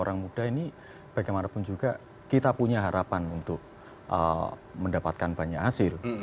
orang muda ini bagaimanapun juga kita punya harapan untuk mendapatkan banyak hasil